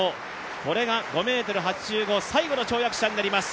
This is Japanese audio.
これが５ｍ８５最後の跳躍者になります。